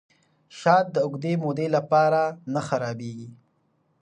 شات د اوږدې مودې لپاره نه خرابیږي.